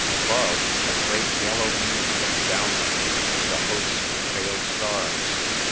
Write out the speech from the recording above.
Above, a great yellow moon looked down on me, and a host of pale stars.